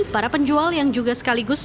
para penjual yang juga sekaligus